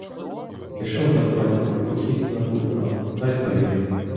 Пішов раз батько у похід на турка, та й загинув.